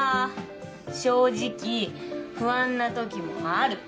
正直不安な時もある。